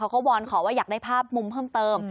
เขาก็วอนขอว่าอยากได้ภาพมุมเพิ่มเติม